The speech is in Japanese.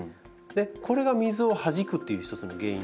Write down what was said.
これが水をはじくっていう一つの原因。